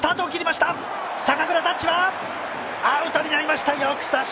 坂倉、タッチはアウトになりました。